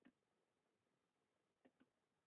Frances, wife of Andrew Ellis.